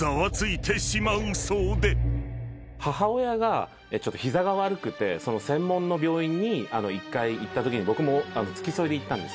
母親がちょっと膝が悪くて専門の病院に１回行ったときに僕も付き添いで行ったんですね。